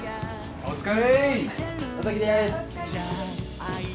お疲れ。